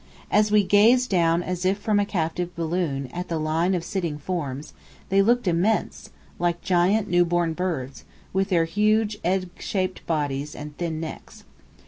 As we gazed down as if from a captive balloon, at the line of sitting forms, they looked immense, like giant, newborn birds, with their huge egg shaped bodies and thin necks.